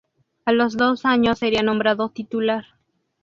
A los dos años sería nombrado titular.